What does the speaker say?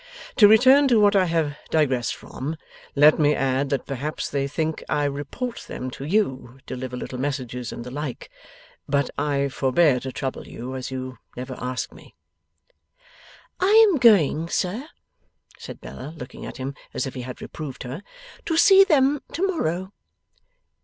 To return to what I have digressed from, let me add that perhaps they think I report them to you, deliver little messages, and the like. But I forbear to trouble you, as you never ask me.' 'I am going, sir,' said Bella, looking at him as if he had reproved her, 'to see them tomorrow.